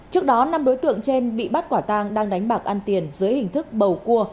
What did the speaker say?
trước đó năm đối tượng trên bị bắt quả tang đang đánh bạc ăn tiền dưới hình thức bầu cua